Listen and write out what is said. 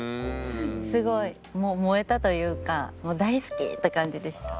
すごい燃えたというかもう大好き！って感じでした。